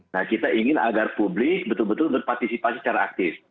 nah kita ingin agar publik betul betul berpartisipasi secara aktif